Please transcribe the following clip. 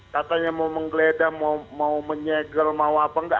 katanya mau menggeledah mau menyegel mau apa enggak